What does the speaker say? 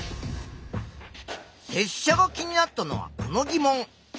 せっしゃが気になったのはこの疑問。